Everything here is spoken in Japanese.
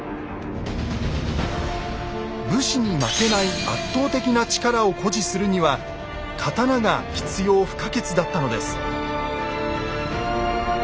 武士に負けない圧倒的な力を誇示するには「刀」が必要不可欠だったのです。